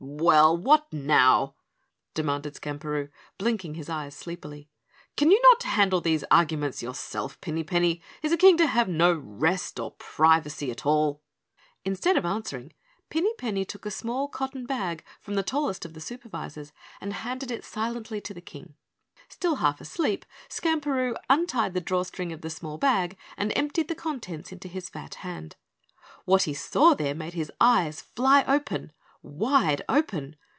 "Well, what now?" demanded Skamperoo, blinking his eyes sleepily. "Can you not handle these arguments yourself, Pinny Penny? Is a King to have no rest or privacy at all?" Instead of answering, Pinny Penny took a small cotton bag from the tallest of the Supervisors and handed it silently to the King. Still half asleep, Skamperoo untied the draw string of the small bag and emptied the contents into his fat hand. What he saw there made his eyes fly open wide open!